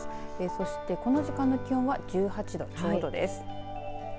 そして、この時間の気温は１８度ちょうどです。